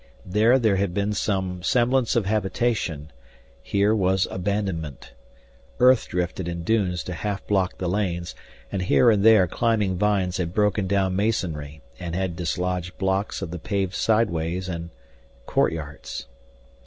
There there had been some semblance of habitation; here was abandonment. Earth drifted in dunes to half block the lanes, and here and there climbing vines had broken down masonry and had dislodged blocks of the paved sideways and courtyards.